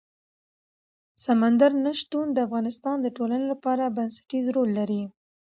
سمندر نه شتون د افغانستان د ټولنې لپاره بنسټيز رول لري.